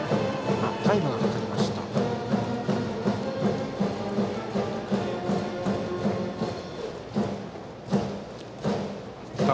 タイムがかかりました。